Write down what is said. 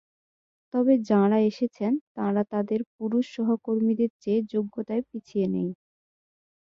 তবে যাঁরা এসেছেন, তাঁরা তাঁদের পুরুষ সহকর্মীদের চেয়ে যোগ্যতায় পিছিয়ে নেই।